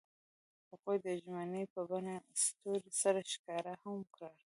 هغوی د ژمنې په بڼه ستوري سره ښکاره هم کړه.